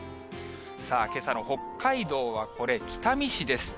さあ、けさの北海道はこれ、北見市です。